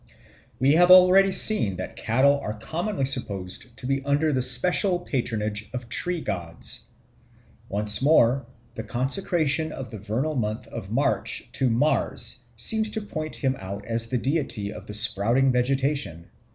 We have already seen that cattle are commonly supposed to be under the special patronage of tree gods. Once more, the consecration of the vernal month of March to Mars seems to point him out as the deity of the sprouting vegetation.